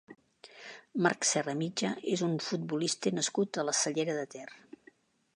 Marc Serramitja és un futbolista nascut a la Cellera de Ter.